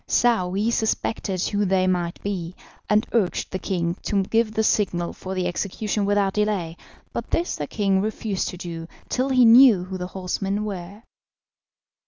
Saouy suspected who they might be, and urged the king to give the signal for the execution without delay, but this the king refused to do till he knew who the horsemen were.